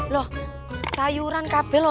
loh sayuran kabel loh